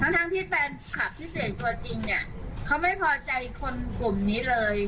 ทั้งที่แฟนคลับพิเศษตัวจริงเนี่ยเขาไม่พอใจคนกลุ่มนี้เลย